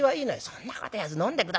『そんなこと言わず飲んで下さい』。